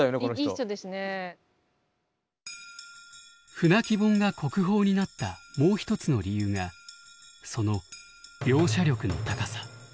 「舟木本」が国宝になったもう一つの理由がその描写力の高さ。